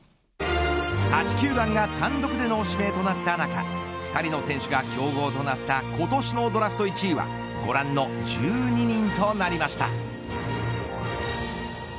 ８球団が単独での指名となった中２人の選手が競合となった今年のドラフト１位はご覧の１２人となりました。